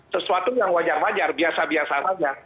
sesuatu yang wajar wajar biasa biasa saja